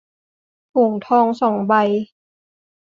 ถุงทอง สอง ใบ